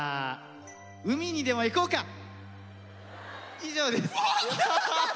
以上です！